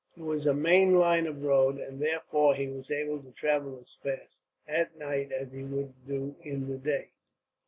It was a main line of road, and therefore he was able to travel as fast, at night, as he would do in the day.